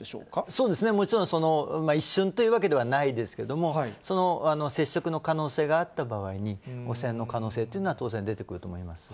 そうですね、もちろん一瞬というわけではないですけれども、その接触の可能性があった場合に、汚染の可能性というのは当然出てくると思います。